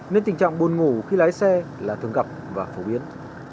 nên tình trạng buồn ngủ khi lái xe là thường gặp và phổ biến